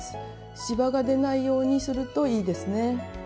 しわがでないようにするといいですね！